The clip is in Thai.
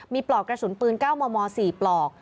มีปลอกกระสุนปืน๙มม๔ปลอก